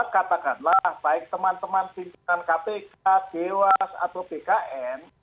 katakanlah baik teman teman pimpinan kpk dewas atau bkn